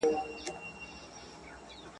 ګدایان پر خزانو سول جاهلان پر منبرونو.